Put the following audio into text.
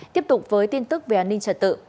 tiếp tục với tin tức về an ninh trật tự